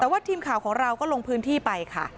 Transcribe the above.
แต่ว่าทีมข่าวของเราก็ลงพื้นที่ไปค่ะ